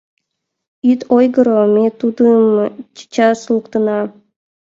Ит ойгыро, ме тудым чечас луктына.